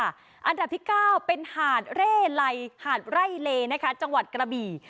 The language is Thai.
อันดับที่๙เป็นหาดเร่ไลหาดไร่เลจังหวัดกระบี่